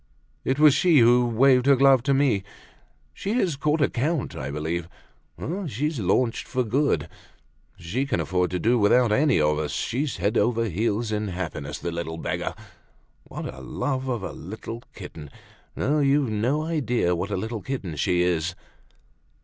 It was she who waved her glove to me. She has caught a count, I believe. Oh! she's launched for good. She can afford to do without any of us; she's head over heels in happiness, the little beggar! What a love of a little kitten! No, you've no idea what a little kitten she is!"